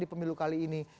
di pemilu kali ini